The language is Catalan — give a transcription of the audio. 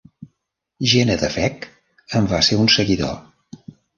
"Genedefekt" en va ser un seguidor.